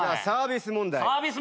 サービス問題。